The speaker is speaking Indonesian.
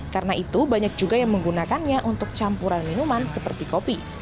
karena itu banyak juga yang menggunakannya untuk campuran minuman seperti kopi